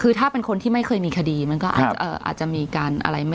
คือถ้าเป็นคนที่ไม่เคยมีคดีมันก็อาจจะมีการอะไร